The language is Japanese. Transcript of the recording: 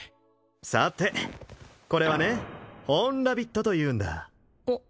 さてこれはねホーンラビットというんだあっ